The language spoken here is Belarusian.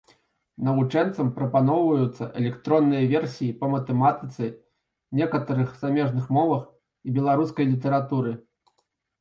Навучэнцам прапаноўваюцца электронныя версіі па матэматыцы, некаторых замежных мовах і беларускай літаратуры.